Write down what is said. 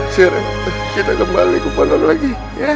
seharinya kita kembali ke bandara lagi